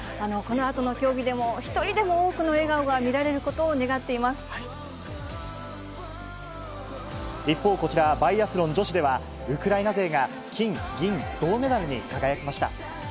このあとの競技でも、一人でも多くの笑顔が見られることを願って一方こちら、バイアスロン女子では、ウクライナ勢が金銀銅メダルに輝きました。